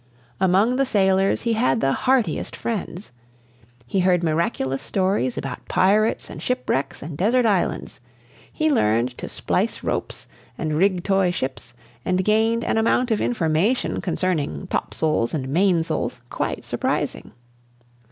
Among the sailors he had the heartiest friends; he heard miraculous stories about pirates and shipwrecks and desert islands; he learned to splice ropes and rig toy ships, and gained an amount of information concerning "tops'ls" and "mains'ls," quite surprising.